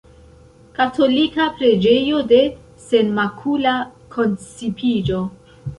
Katolika preĝejo de Senmakula koncipiĝo.